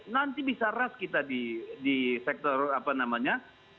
nanti bisa ras kita di sektor apa namanya